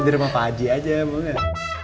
lu dirumah pak haji aja mau gak